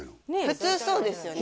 普通そうですよね